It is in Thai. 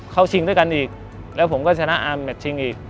ชิงด้วยกันอีกแล้วผมก็ชนะอาร์แมทชิงอีก